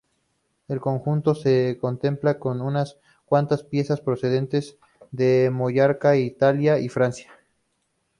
El conjunto se completa con unas cuantas piezas procedentes de Mallorca, Italia y Francia.